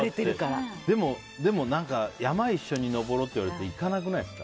でも、山一緒に登ろうと言われて行かなくないですか？